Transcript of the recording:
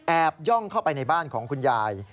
ย่องเข้าไปในบ้านของคุณยาย